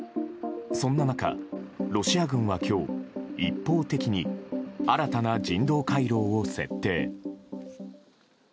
そんな中、ロシア軍は今日一方的に新たな人道回廊を設定。